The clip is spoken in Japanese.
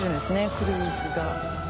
クルーズが。